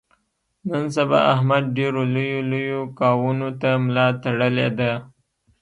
نن سبا احمد ډېرو لویو لویو کاونو ته ملا تړلې ده.